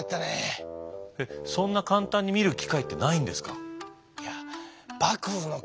そんな簡単に見る機会ってないんですか？